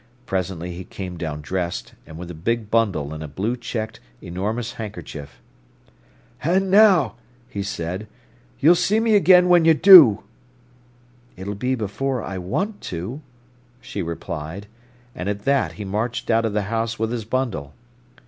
Presently he came down dressed, and with a big bundle in a blue checked, enormous handkerchief. "And now," he said, "you'll see me again when you do." "It'll be before I want to," she replied; and at that he marched out of the house with his bundle.